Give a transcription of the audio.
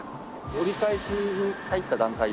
折り返しに入った段階ですね。